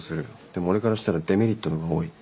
でも俺からしたらデメリットの方が多い。